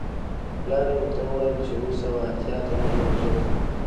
پلار یې ورته وویل چې اووه سوه اتیا تنه یې وژلي.